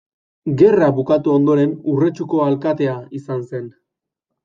Gerra bukatu ondoren Urretxuko alkatea izan zen.